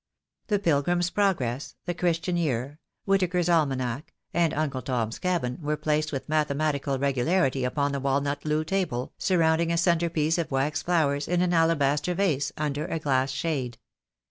"The Pilgrim's Progress," "The Christian Year," "Whittaker's Almanack," and "Uncle Tom's Cabin," were placed with mathematical regularity upon the walnut loo table, surrounding a centrepiece of wax flowers in an alabaster vase under a glass shade.